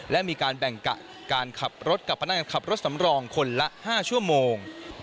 และมีการแบ่งกะการขับรถกับพนักงานขับรถสำรองคนละ๕ชั่วโมง